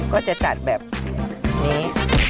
ก็จะจัดแบบนี้